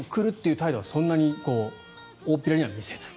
態度はそんなに大っぴらには見せない。